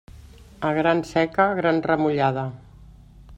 A gran seca, gran remullada.